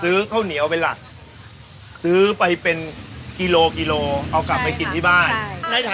ซื้อข้าวเหนียวเวลาซื้อไปเป็นกิโลกิโลเอากลับมากินที่บ้านใช่ค่ะใช่